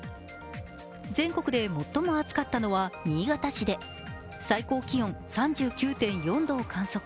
全国で最も暑かったのは新潟市で最高気温３９．４度を観測。